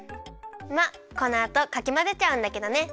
まあこのあとかきまぜちゃうんだけどね。